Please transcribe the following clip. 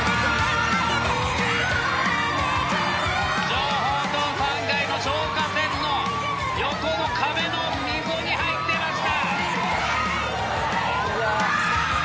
情報棟３階の消火栓の横の壁の溝に入っていました。